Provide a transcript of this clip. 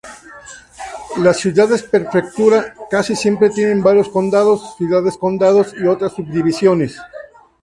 Las ciudades-prefectura casi siempre tienen varios condados, ciudades-condados y otras subdivisiones.